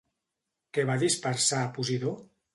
Què va dispersar Posidó?